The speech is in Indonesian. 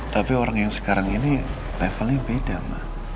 tapi orang yang sekarang ini levelnya beda mbak